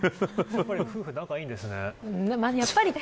夫婦、仲いいんですね。